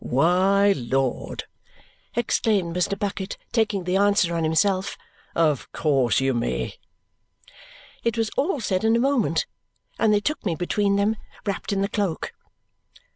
"Why, Lord!" exclaimed Mr. Bucket, taking the answer on himself. "Of course you may." It was all said in a moment, and they took me between them, wrapped in the cloak.